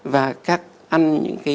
và các ăn